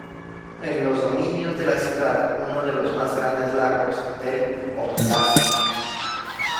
En los dominios de la ciudad, uno de los más grandes lagos del Óblast.